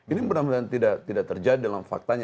ini benar benar tidak terjadi dalam faktanya